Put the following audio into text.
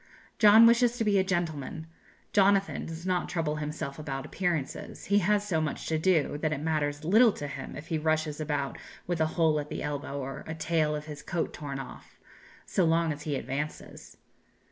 John wishes to be a gentleman; Jonathan does not trouble himself about appearances he has so much to do, that it matters little to him if he rushes about with a hole at the elbow or a tail of his coat torn off, so long as he advances.